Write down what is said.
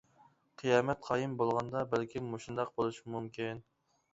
قىيامەت قايىم بولغاندا، بەلكىم مۇشۇنداق بولۇشى مۇمكىن.